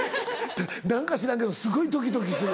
何か知らんけどすごいドキドキする。